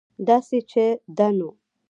داسې چې ده نو